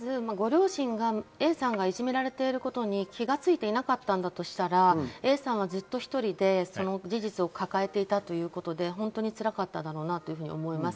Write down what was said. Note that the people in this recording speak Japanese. Ａさんがいじめられていることに両親が気が付いていなかったとしたらＡさんはずっと１人で事実を抱えていたということで、辛かっただろうなと思います。